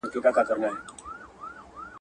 اذان بې وخته نه کېږي.